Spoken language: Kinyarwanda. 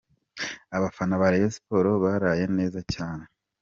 Abafana ba Rayon Sports baraye neza cyane .